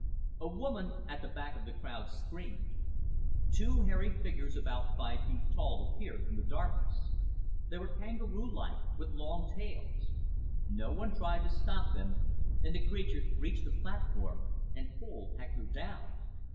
A woman at the back of the crowd screamed. Two hairy figures about five feet tall appeared from the darkness. They were kangaroo like, with long tails. No one tried to stop them, and the creatures reached the platform and pulled Hector down.